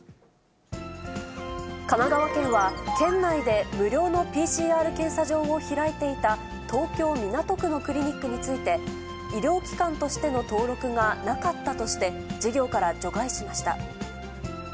神奈川県は、県内で無料のＰＣＲ検査場を開いていた、東京・港区のクリニックについて、医療機関としての登録がなかったとして、事業から除外しました。